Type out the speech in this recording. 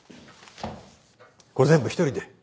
これ全部一人で？